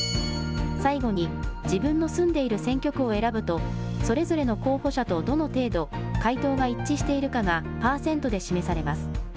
最後に自分の住んでいる選挙区を選ぶとそれぞれの候補者とどの程度、回答が一致しているかがパーセントで示されます。